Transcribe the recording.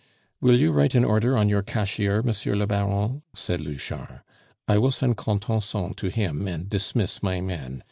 "Will you write an order on your cashier, Monsieur le Baron?" said Louchard. "I will send Contenson to him and dismiss my men.